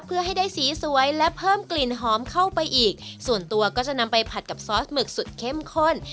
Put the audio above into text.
เพื่อให้ได้สีสวยและเพิ่มกลิ่นหอมเข้าไปอีกส่วนตัวก็จะนำไปผัดกับซอสหมึกสุดเข้มข้น